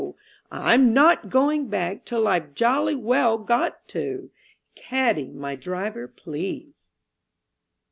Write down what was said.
I'M NOT GOING BACK TILL I'VE JOLLY WELL GOT TO! Caddie, my driver, please.